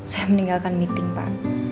saya meninggalkan meeting pak